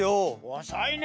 おそいね。